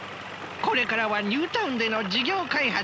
これからはニュータウンでの事業開発だ。